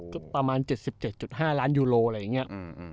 ก็ประมาณ๗๗๕ล้านยูโรอะไรอย่างนี้